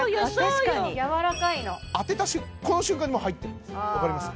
確かにやわらかいの当てたこの瞬間にもう入ってるんです分かります？